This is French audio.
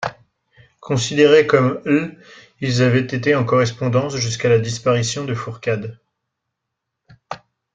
Considéré comme l', ils avaient été en correspondance jusqu'à la disparition de Fourcade.